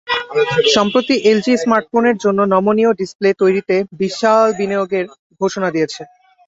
সম্প্রতি এলজি স্মার্টফোনের জন্য নমনীয় ডিসপ্লে তৈরিতে বিশাল বিনিয়োগের ঘোষণা দিয়েছে।